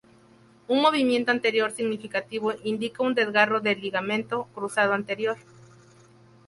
Un movimiento anterior significativo indica un desgarro del ligamento cruzado anterior.